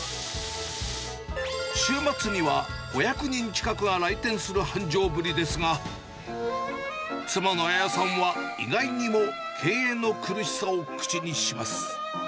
週末には５００人近くが来店する繁盛ぶりですが、妻の彩さんは、意外にも経営の苦しさを口にします。